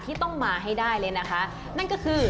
ที่ต้องมาให้ได้เลยนะคะนั่นก็คือ